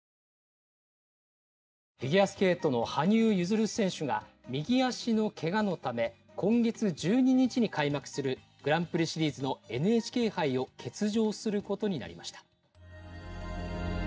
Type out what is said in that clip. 「フィギュアスケートの羽生結弦選手が右足のけがのため今月１２日に開幕するグランプリシリーズのＮＨＫ杯を欠場することになりました」。